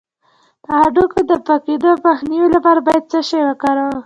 د هډوکو د پوکیدو مخنیوي لپاره باید څه شی وکاروم؟